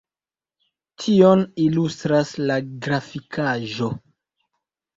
Tion ilustras la grafikaĵo.